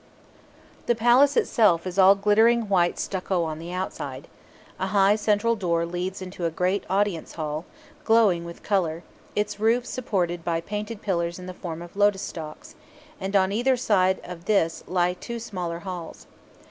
The palace itself is all glittering white stucco on the outside. A high central door leads into a great audience hall, glowing with colour, its roof supported by painted pillars in the form of lotus stalks; and on either side of this lie two smaller halls.